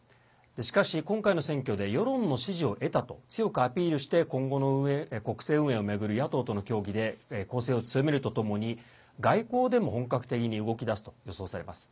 しかし、今回の選挙で世論の支持を得たと強くアピールして今後の国政運営を巡る野党との協議で攻勢を強めるとともに外交でも本格的に動き出すと予想されます。